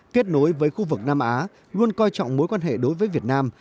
kết nối với khu vực nam á luôn coi trọng mối quan hệ đối với việt nam